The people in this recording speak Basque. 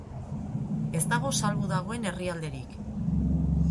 Ez dago salbu dagoen herrialderik.